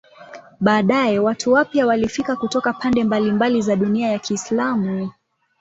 Baadaye watu wapya walifika kutoka pande mbalimbali za dunia ya Kiislamu.